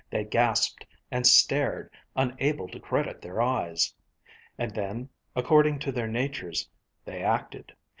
They gaped and stared, unable to credit their eyes. And then, according to their natures, they acted. Mrs.